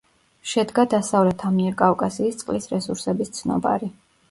შედგა დასავლეთ ამიერკავკასიის წყლის რესურსების ცნობარი.